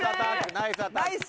ナイス。